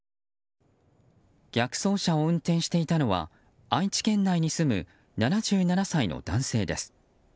逆走車を運転していたのは愛知県内に住む７７歳の男性です。